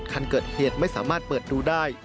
คันเกิดเหตุไม่สามารถเปิดดูได้